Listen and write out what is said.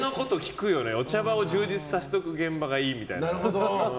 お茶場を充実させておく現場がいいって。